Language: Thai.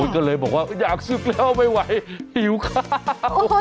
ก็เลยบอกว่าอยากศึกแล้วไม่ไหวหิวข้าว